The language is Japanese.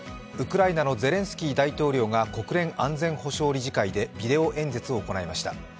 ウクライナのゼレンスキー大統領が国連安全保障理事会でビデオ演説を行いました。